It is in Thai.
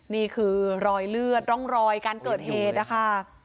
นี่คือรอยเลือดร่องรอยการเกิดเหตุนะคะ